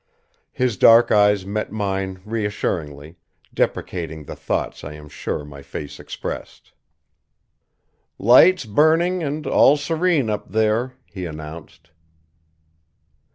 His dark eyes met mine reassuringly, deprecating the thoughts I am sure my face expressed. "Lights burning and all serene up there," he announced.